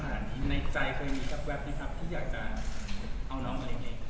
ในใจเคยมีสักแป๊บไหมครับที่อยากจะเอาน้องมาเลี้ยงเอง